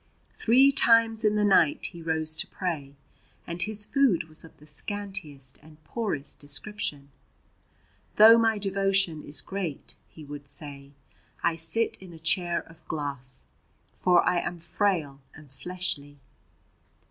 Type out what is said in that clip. Three times in the night he rose to pray, and his food was of the scantiest and poorest description. "Though my devotion is great," he would say, "I sit in a chair of glass, for I am frail and fleshly."